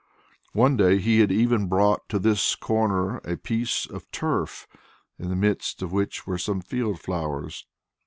One day he had even brought to this corner a piece of turf in the midst of which were some field flowers.